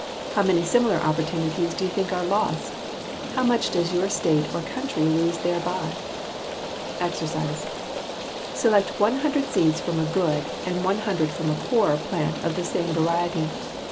How many similar opportunities do you think are lost? How much does your state or country lose thereby? =EXERCISE= Select one hundred seeds from a good, and one hundred from a poor, plant of the same variety.